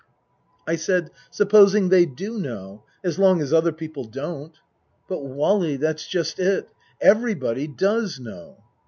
I said, " Supposing they do know as long as other people don't "" But, Wally, that's just it. Everybody does know."